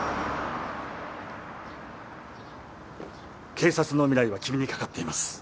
警察の未来は君に懸かっています